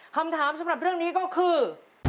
คำถามสำหรับเรื่องนี้ก็คือ